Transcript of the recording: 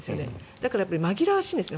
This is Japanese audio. だから、紛らわしいんです。